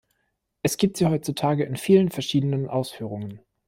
Es gibt sie heutzutage in vielen verschiedenen Ausführungen.